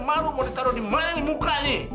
malu mau ditaruh di mana nih mukanya